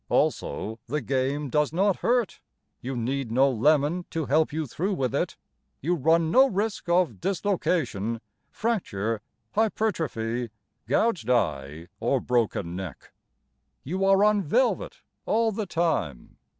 Also, the game does not hurt. You need no lemon to help you through with it, You run no risk of dislocation, fracture, hypertrophy, gouged eye, or broken neck, You are on velvet all the time.